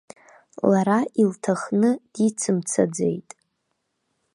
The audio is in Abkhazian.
Лара илҭахны дицымцаӡеит.